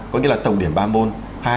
có nghĩa là tổng điểm ba môn hai năm